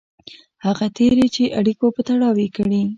هغه تېري چې اړیکو په تړاو یې کړي.